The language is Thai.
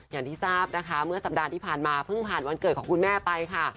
อย่างที่ทราบนะคะเมื่อสัปดาห์ที่ผ่านมาเพิ่งผ่านวันเกิดของคุณแม่ไปค่ะ